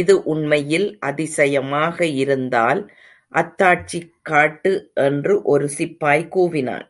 இது உண்மையில் அதிசயமாக இருந்தால் அத்தாட்சி காட்டு என்று ஒரு சிப்பாய் கூவினான்.